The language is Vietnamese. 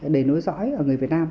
để nối dõi ở người việt nam